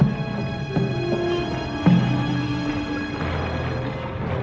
kau bisa menemukan itu